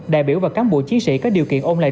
đại biểu và cán bộ chiến sĩ có điều kiện ôn lại